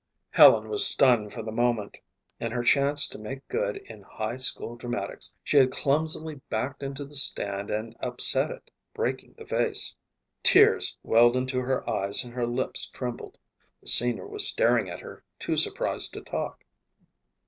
Helen was stunned for the moment. In her chance to make good in high school dramatics she had clumsily backed into the stand and upset it, breaking the vase. Tears welled into her eyes and her lips trembled. The senior was staring at her, too surprised to talk.